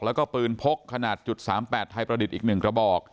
แล้วก็ปืนพกขนาด๓๘ไทยประดิษฐ์อีก๑กระบอก